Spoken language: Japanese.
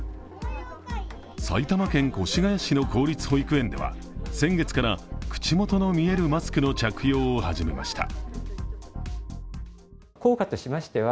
埼玉県越谷市の公立保育園では先月から口元の見えるマスクの着用を始めました。